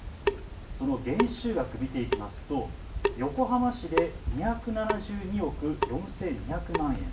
その減収額、見ていきますと横浜市で２７２億４２００万円。